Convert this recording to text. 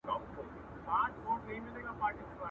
ښایسته ملکه سمه لېونۍ سوه!!